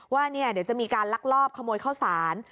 ว่าเดี๋ยวจะมีการลักลอบขโมยข้าวสาร